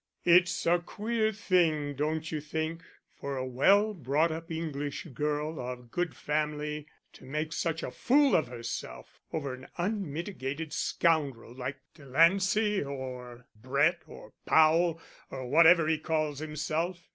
"It's a queer thing, don't you think, for a well brought up English girl of good family to make such a fool of herself over an unmitigated scoundrel like Delancey or Brett, or Powell, or whatever he calls himself?